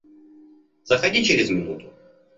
Заходи через минуту.